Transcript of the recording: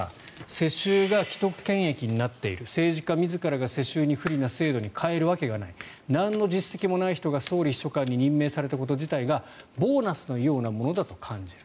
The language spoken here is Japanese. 世襲が既得権益になっている政治家自らが世襲に不利な制度に変えるわけがないなんの実績もない人が総理秘書官に任命されたこと自体がボーナスのようなものだと感じる。